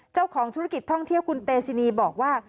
เจ้าของธุรกิจท่องเที่ยวคุณเตซินีบอกว่า